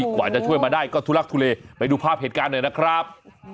กว่าจะช่วยมาได้ก็ทุลักทุเลไปดูภาพเหตุการณ์หน่อยนะครับ